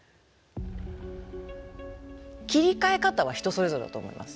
切り替え方は人それぞれだと思います。